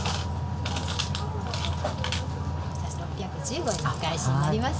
６１５円のお返しになります。